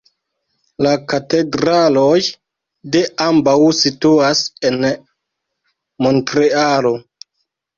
La katedraloj de ambaŭ situas en Montrealo.